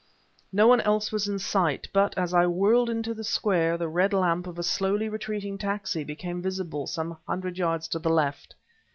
No one else was in sight, but, as I whirled into the Square, the red lamp of a slowly retreating taxi became visible some hundred yards to the left.